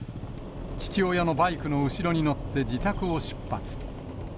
父親のバイクの後ろに乗って自宅を出発。